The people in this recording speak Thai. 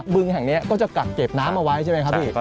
บึงแห่งนี้ก็จะกัดเก็บน้ำเอาไว้ใช่ไหมครับพี่ครับพี่แก้ม